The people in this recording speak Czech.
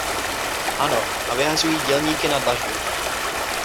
Ano, a vyhazují dělníky na dlažbu.